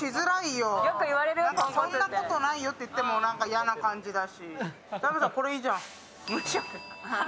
そんなことないよって言っても嫌な感じだし。